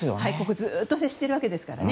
ずっと接しているわけですからね。